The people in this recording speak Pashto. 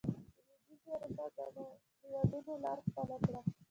د لوېدیځې اروپا ګڼو هېوادونو لار خپله کړه.